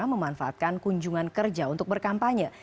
memanfaatkan kunjungan kerja untuk berkampanye